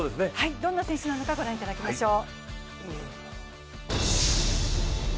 どんな選手なのか御覧いただきましょう。